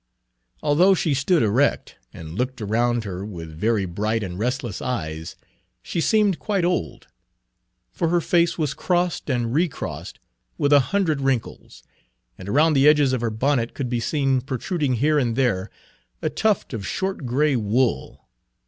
Although she stood erect, and looked around her with very bright and restless eyes, she seemed Page 10 quite old; for her face was crossed and recrossed with a hundred wrinkles, and around the edges of her bonnet could be seen protruding here and there a tuft of short gray wool.